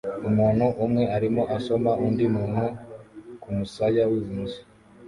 Umuntu umwe arimo asoma undi muntu kumusaya wibumoso